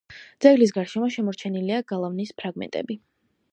ძეგლის გარშემო შემორჩენილია გალავნის ფრაგმენტები.